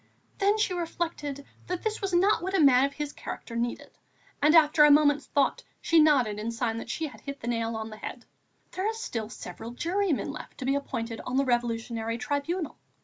Then she reflected that this was not what a man of his character needed; and, after a moment's thought, she nodded in sign that she had hit the nail on the head: "There are still several jurymen left to be appointed on the Revolutionary Tribunal.